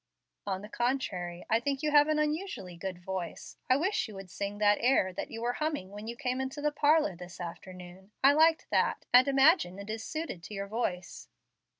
"On the contrary, I think you have an unusually good voice. I wish you would sing that air that you were humming when you came into the parlor this afternoon. I liked that, and imagine it is suited to your voice."